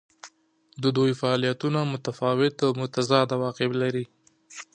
د دوی فعالیتونه متفاوت او متضاد عواقب لري.